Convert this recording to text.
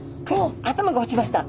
頭が落ちました。